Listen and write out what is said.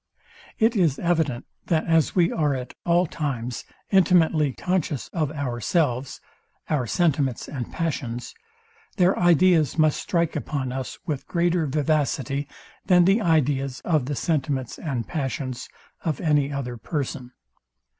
It is evident, that as we are at all times intimately conscious of ourselves, our sentiments and passions, their ideas must strike upon us with greater vivacity than the ideas of the sentiments and passions of any other person.